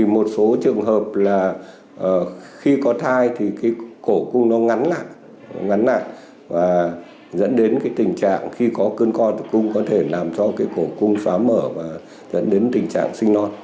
một số trường hợp là khi có thai thì cổ cung nó ngắn lại dẫn đến tình trạng khi có cơn co tục cung có thể làm cho cổ cung xóa mở và dẫn đến tình trạng sinh non